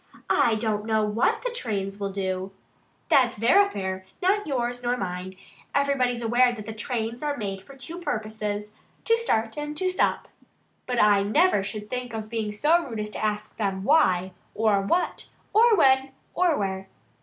"I don't know what the trains will do. That's their affair not yours nor mine. Everybody's aware that trains are made for two purposes to start and to stop. But I never should think of being so rude as to ask them WHY, or WHAT, or WHEN, or WHERE."